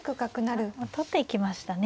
取っていきましたね。